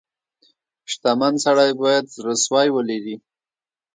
• شتمن سړی باید زړه سوی ولري.